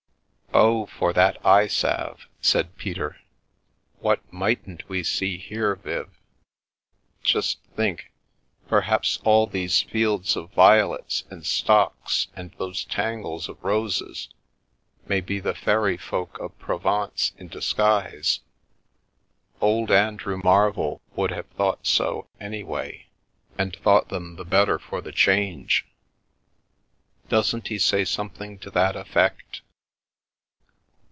"Oh, for that eye salve!" said Peter. "What mightn't we see here, Viv! Just think — perhaps all these fields of violets and stocks, and these tangles of roses, may be the fairy folk of Provence in disguise. Old Andrew Marvell would have thought so, any way, and thought them the better for the change. Doesn't he say something to that effect?"